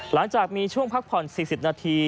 หลังจากมีช่วงพักผ่อน๔๐นาที